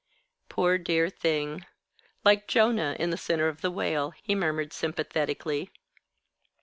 "Poor dear thing! Like Jonah in the center of the whale," he murmured, sympathetically.